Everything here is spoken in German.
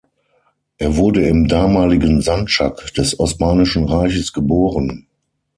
Er wurde im damaligen Sandschak des Osmanischen Reiches geboren.